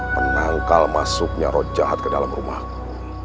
menangkal masuknya roh jahat ke dalam rumahku